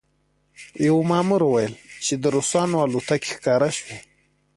یوه مامور وویل چې د روسانو الوتکې ښکاره شوې